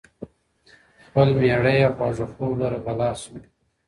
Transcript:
خپل مېړه يې خواږه خوب لره بلا سوه .